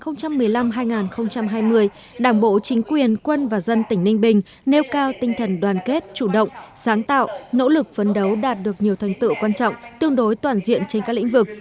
nhiệm kỳ một mươi năm hai nghìn hai mươi đảng bộ chính quyền quân và dân tỉnh ninh bình nêu cao tinh thần đoàn kết chủ động sáng tạo nỗ lực phấn đấu đạt được nhiều thành tựu quan trọng tương đối toàn diện trên các lĩnh vực